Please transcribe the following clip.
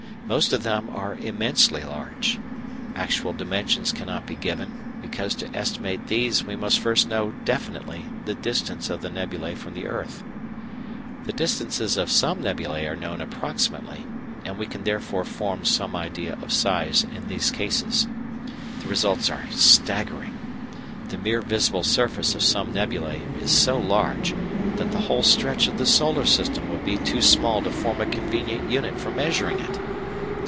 Most of them are immensely large. Actual dimensions cannot be given, because to estimate these we must first know definitely the distance of the nebulæ from the earth. The distances of some nebulæ are known approximately, and we can therefore form some idea of size in these cases. The results are staggering. The mere visible surface of some nebulæ is so large that the whole stretch of the solar system would be too small to form a convenient unit for measuring it.